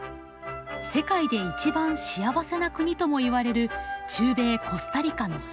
世界で一番幸せな国ともいわれる中米コスタリカの首都。